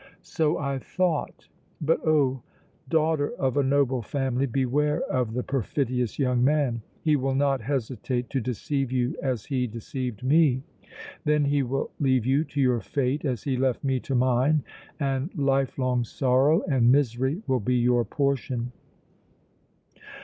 "So I thought, but oh! daughter of a noble family, beware of the perfidious young man! He will not hesitate to deceive you as he deceived me! Then he will leave you to your fate as he left me to mine, and life long sorrow and misery will be your portion!"